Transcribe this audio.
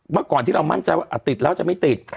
ว่าก่อนที่เรามั่นติดแล้วจะไม่ติด